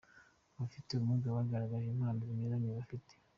Abafite ubumuga bagaragaje impano zinyuranye bafite.